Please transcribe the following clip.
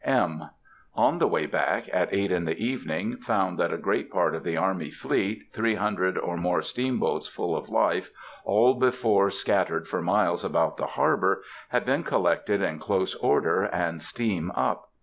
(M.) On the way back, at eight in the evening, found that a great part of the army fleet, three hundred or more steamboats full of life, all before scattered for miles about the harbor, had been collected in close order and steam up.